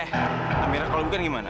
eh amira kalau bukan gimana